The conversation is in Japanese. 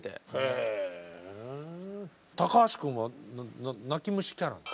へぇ高橋くんは泣き虫キャラ？